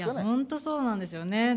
本当そうなんですよね。